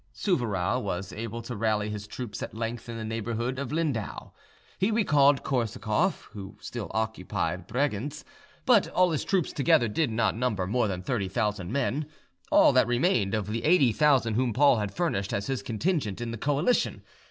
Souvarow was able to rally his troops at length in the neighbourhood of Lindau. He recalled Korsakoff, who still occupied Bregenz; but all his troops together did not number more than thirty thousand men all that remained of the eighty thousand whom Paul had furnished as his contingent in the coalition.